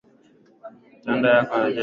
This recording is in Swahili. Matendo yako ni ya ajabu.